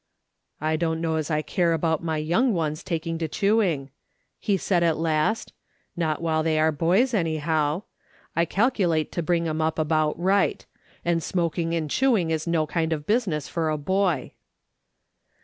" I don't know as I care about my young ones taking to chewing," he said at last ;" not while they are boys, anyhow. I calculate to bring 'em up about right ; and smoking and chewing is no kind of busi ness for a boy."